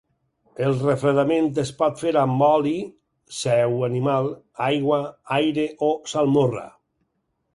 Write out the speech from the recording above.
El refredament es pot fer amb oli, sèu animal, aigua, aire o salmorra.